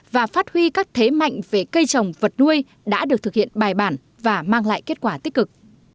và phát huy các thế mạnh về cây trồng vật nuôi đã được thực hiện bài bản và mang lại kết quả tích cực